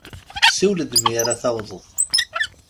Siwel-d mi ara tawḍeḍ.